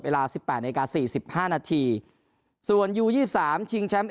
เวลาสิบแปดนาฬิกาสี่สิบห้านาทีส่วนยูยี่สิบสามชิงแชมป์